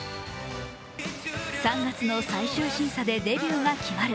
３月の最終審査でデビューが決まる